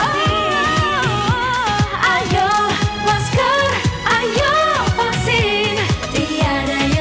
terima kasih atas perhatian saya